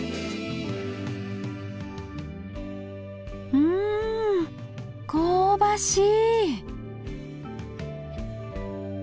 うん香ばしい。